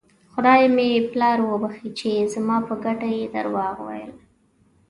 خدای مې پلار وبښي چې زما په ګټه یې درواغ ویل.